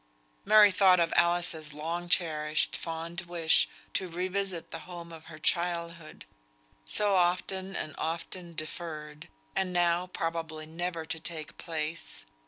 Mary thought of Alice's long cherished, fond wish to revisit the home of her childhood, so often and often deferred, and now probably never to take place.